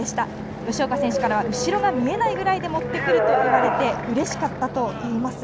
吉岡選手から後ろが見えないぐらいで持ってくると言われてうれしかったといいます。